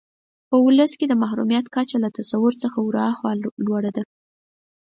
په ولس کې د محرومیت کچه له تصور څخه ورهاخوا لوړه ده.